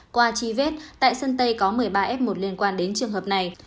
qua truy vết tại sân tây có một mươi ba f một liên quan đến trường hợp này